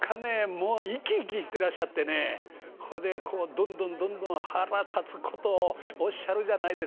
もう生き生きしてらっしゃってねほいでどんどんどんどん腹立つことをおっしゃるじゃないですか。